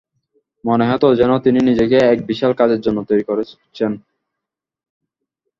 মনে হত, যেন তিনি নিজেকে এক বিশাল কাজের জন্য তৈরী করছেন।